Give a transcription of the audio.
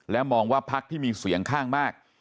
และมองว่าภักดิ์ที่มีเสียงข้างมาก